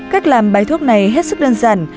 cách làm bài thuốc này hết sức đơn giản